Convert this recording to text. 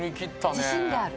自信がある。